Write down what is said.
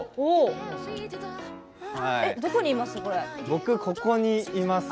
僕、ここにいます。